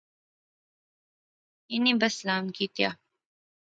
انی بس سلام کیتیا